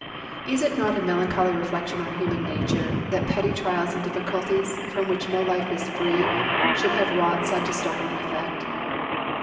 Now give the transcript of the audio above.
Is it not a melancholy reflection on human nature that petty trials and difficulties, from which no life is free, should have wrought such a startling effect?